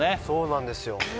そうなんですよ